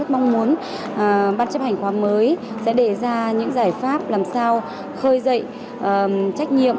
mong muốn ban chấp hành khóa mới sẽ đề ra những giải pháp làm sao khơi dậy trách nhiệm